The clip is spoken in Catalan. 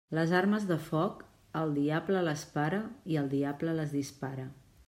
Les armes de foc, el diable les para i el diable les dispara.